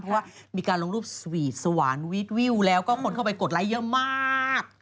เพราะว่ามีการลงรูปสวีทสวรรค์วีดวิวแล้วก็คนเข้าไปกดไลค์เยอะมาก